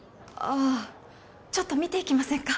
あちょっと見ていきませんか？